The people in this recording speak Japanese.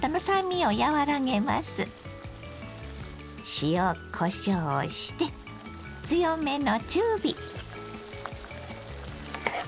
塩こしょうをして強めの中火。